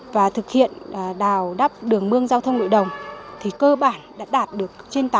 và thực hiện đào đắp đường mương giao thông nội đồng thì cơ bản đã đạt được trên tám mươi